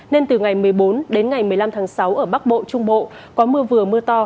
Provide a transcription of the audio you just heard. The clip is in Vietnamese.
nên từ ngày một mươi bốn đến ngày một mươi năm tháng sáu ở bắc bộ trung bộ có mưa vừa mưa to